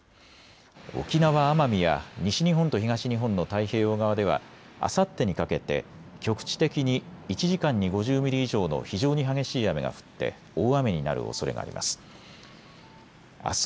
沖縄・奄美や西日本と東日本の太平洋側ではあさってにかけて局地的に１時間に５０ミリ以上の非常に激しい雨が降って大雨になるおそれがあります。